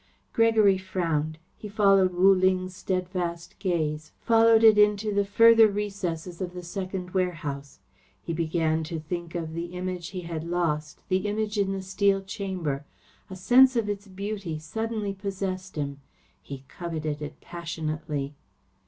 Gregory frowned. He followed Wu Ling's steadfast gaze, followed it into the further recesses of the second warehouse. He began to think of the Image he had lost, the Image in the steel chamber. A sense of its beauty suddenly possessed him. He coveted it passionately.